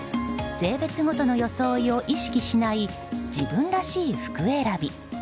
性別ごとの装いを意識しない自分らしい服選び。